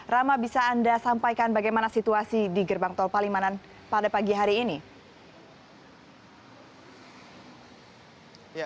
rama bisa anda sampaikan bagaimana situasi di gerbang tol palimanan pada pagi hari ini